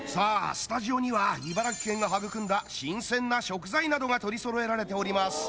スタジオには茨城県が育んだ新鮮な食材などが取りそろえられております！